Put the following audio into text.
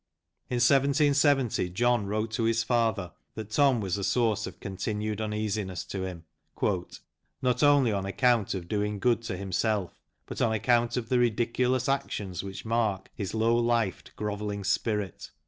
In 1 770, John wrote to his father that Tom was a source of continued uneasiness to him, " not only on account of doing good to himself, but on account of the ridiculous actions which mark his low lifed, grovelling spirit."